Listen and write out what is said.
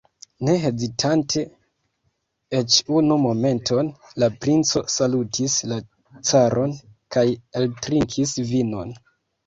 Ne hezitante eĉ unu momenton, la princo salutis la caron kaj eltrinkis vinon.